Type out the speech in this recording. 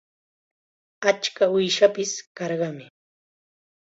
Achka uushanpis karqanmi.